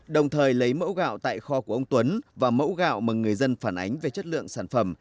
đồng thời lấy mẫu gạo tại kho của ông tuấn và mẫu gạo mà người dân phản ánh về chất lượng sản phẩm